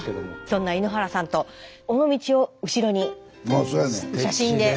そんな井ノ原さんと尾道を後ろに写真で。